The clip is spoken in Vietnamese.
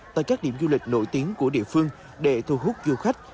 tại các điểm du lịch nổi tiếng của địa phương để thu hút du khách